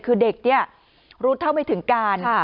คือเด็กเนี่ยรู้เท่าไม่ถึงการ